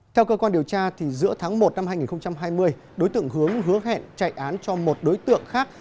theo cơ quan điều tra giữa tháng một năm hai nghìn hai mươi đối tượng hướng hứa hẹn chạy án cho một đối tượng khác